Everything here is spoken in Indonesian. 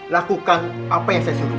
lakukan apa yang saya suruh